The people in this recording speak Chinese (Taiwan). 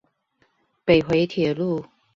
北迴鐵路